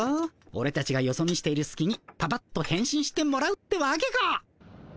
オレたちがよそ見しているすきにパパッとへん身してもらうってわけか。